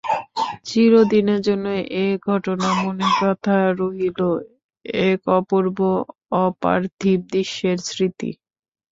চিরদিনের জন্য এ ঘটনা মনে গাঁথা রহিল, এক অপূর্ব অপার্থিব দৃশ্যের স্মৃতি।